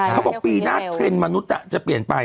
เค้าบอกว่าปีหน้าเทรนด์มนุษย์จะเปลี่ยนไป